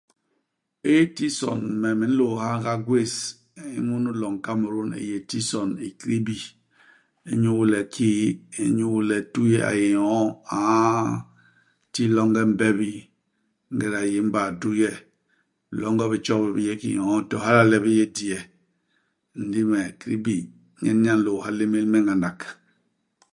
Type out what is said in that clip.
Itison me me nlôôha nga gwés nn munu i loñ i Kamerun, i yé tison i Kribi. Inyu le kii, inyu le tuye a yé nyo'o. A nti longe i mbebi. Ingéda u yé i mbaa tuye. Bilonge bi tjobi bi yé ki nyo'o, to hala le di yé diye. Ndi me Kribi nyen nye a nlôôha lémél me ngandak.